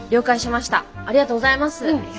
ありがとうございます。